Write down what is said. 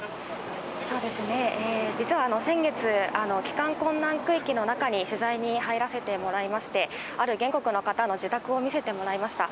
そうですね、実は先月、帰還困難区域の中に取材に入らせてもらいまして、ある原告の方の自宅を見せてもらいました。